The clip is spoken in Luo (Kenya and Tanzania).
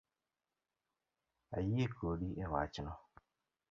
Ayie kodi ewachno